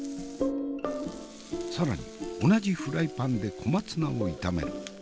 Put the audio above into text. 更に同じフライパンで小松菜も炒める。